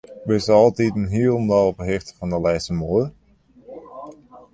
Bisto altiten hielendal op 'e hichte fan de lêste moade?